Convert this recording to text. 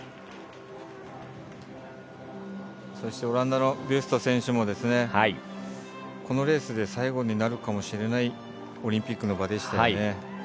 オランダのビュスト選手もこのレースで最後になるかもしれないオリンピックの場でしたね。